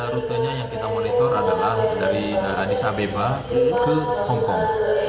rutanya yang kita monitor adalah dari radis abeba ke hong kong